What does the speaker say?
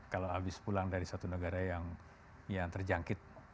kalau habis pulang dari satu negara yang terjangkit